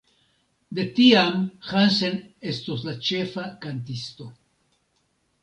De tiam Hansen estos la ĉefa kantisto.